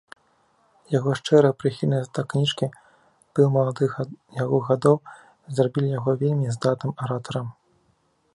Яго шчырая прыхільнасць да кніжкі, пыл маладых яго гадоў зрабілі яго вельмі здатным аратарам.